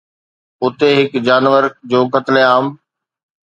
اتي هن جانور جو قتل عام